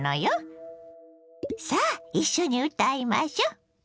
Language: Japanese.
さあ一緒に歌いましょ。